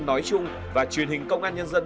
nói chung và truyền hình công an nhân dân